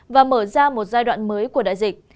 và mở ra một giai đoạn mới của đại dịch